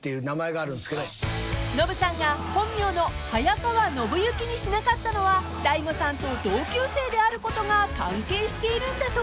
［ノブさんが本名の早川信行にしなかったのは大悟さんと同級生であることが関係しているんだとか］